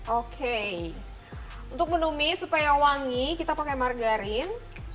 oke untuk menumis supaya wangi kita pakai margarin